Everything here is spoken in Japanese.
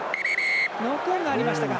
ノックオンがありましたか。